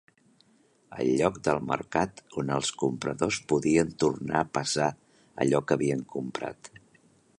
El lloc del mercat on els compradors podien tornar pesar allò que havien comprat.